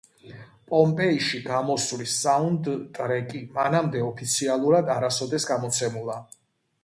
პომპეიში გამოსვლის საუნდტრეკი მანამდე ოფიციალურად არასოდეს გამოცემულა.